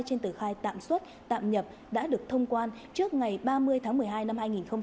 trên tờ khai tạm xuất tạm nhập đã được thông quan trước ngày ba mươi tháng một mươi hai năm hai nghìn hai mươi